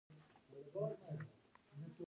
پۀ يوه هواره بګله کښې درې کسان لګيا دي کوهے وهي